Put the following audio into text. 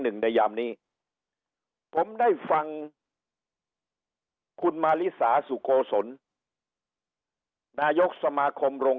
ในยามนี้ผมได้ฟังคุณมาริสาสุโกศลนายกสมาคมโรง